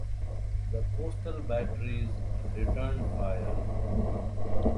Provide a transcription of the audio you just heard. The coastal batteries returned fire.